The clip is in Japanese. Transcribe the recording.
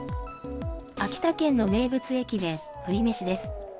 秋田県の名物駅弁、鶏めしです。